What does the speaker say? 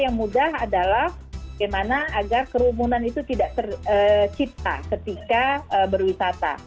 yang mudah adalah bagaimana agar kerumunan itu tidak tercipta ketika berwisata